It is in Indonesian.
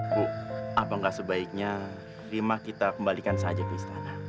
bu apa gak sebaiknya rimah kita kembalikan saja ke istana